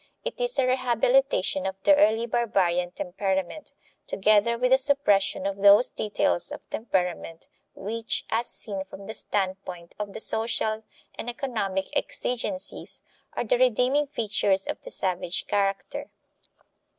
It is a rehabilitation of the early barbarian temperament, together with a suppression of those details of temperament, which, as seen from the standpoint of the social and economic exigencies, are the redeeming features of the savage character.